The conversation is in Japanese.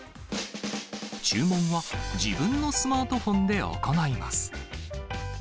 注文は自分のスマートフォンで行います。